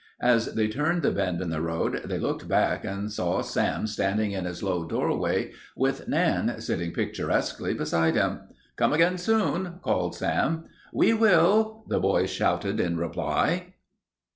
As they turned the bend in the road they looked back and saw Sam standing in his low doorway with Nan sitting picturesquely beside him. "Come again soon," called Sam. "We will," the boys shouted in reply.